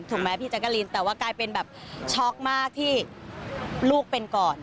แม้พี่แจ๊กกะลินแต่ว่ากลายเป็นแบบช็อกมากที่ลูกเป็นก่อน